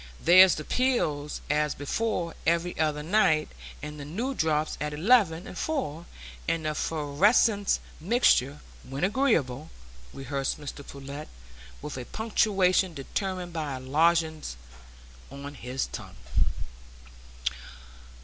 "There's the 'pills as before' every other night, and the new drops at eleven and four, and the 'fervescing mixture 'when agreeable,'" rehearsed Mr Pullet, with a punctuation determined by a lozenge on his tongue.